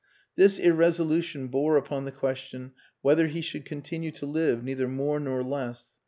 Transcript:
This irresolution bore upon the question whether he should continue to live neither more nor less.